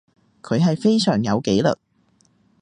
佢係非常有紀律